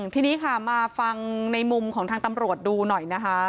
ทีนี้ค่ะมาฟังในมุมของทางตำรวจดูหน่อยนะคะ